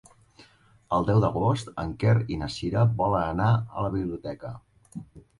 El deu d'agost en Quer i na Cira volen anar a la biblioteca.